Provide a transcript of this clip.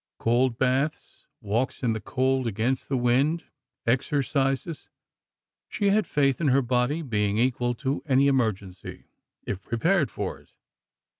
Cold baths, walks in the cold against the wind, exercises ... she had faith in her body being equal to any emergency, if prepared for it.